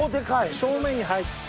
正面に入って。